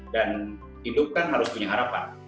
dan hidup kan harus punya harapan